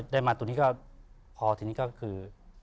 ได้มาตรงนี้ก็พอทีนี้ก็คือ